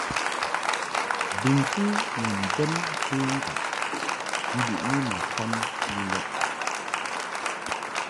Bɨŋkɨ ni mbɛn penkaʼ mbiʼni ma tam lilɔʼ.